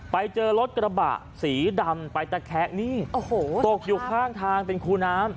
ไปเจอรถกระบะสีดำไปตะแคะนี่โอ้โหตกอยู่ข้างทางเป็นคูน้ำ